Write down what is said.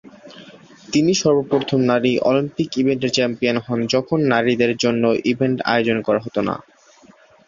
তিনি সর্বপ্রথম নারী অলিম্পিক ইভেন্টের চ্যাম্পিয়ন হন যখন নারীদের জন্য ইভেন্ট আয়োজন করা হতো না।